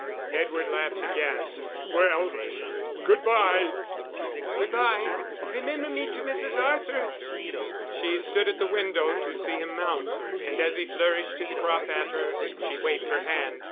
Edward laughed again. "Well, good bye!" "Good bye. Remember me to Mrs. Arthur." She stood at the window to see him mount, and as he flourished his crop at her, she waved her hand.